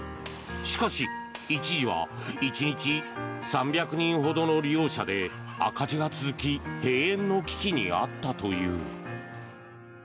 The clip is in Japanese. しかし、一時は１日３００人ほどの利用者で赤字が続き閉園の危機にあったという。